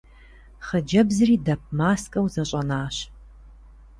Хъыджэбзри дэп маскӏэу зэщӏэнащ.